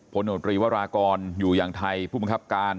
โนตรีวรากรอยู่อย่างไทยผู้บังคับการ